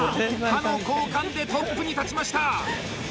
刃の交換でトップに立ちました。